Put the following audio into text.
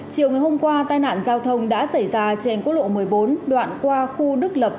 chiều ngày hôm qua tai nạn giao thông đã xảy ra trên quốc lộ một mươi bốn đoạn qua khu đức lập